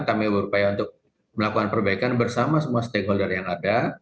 kami berupaya untuk melakukan perbaikan bersama semua stakeholder yang ada